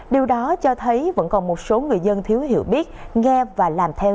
điều đó cho thấy vẫn còn một số người dân thiếu hiểu biết nghe và làm theo